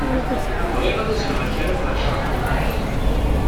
Bɣiɣ ad azneɣ akaraf ɣer Japun.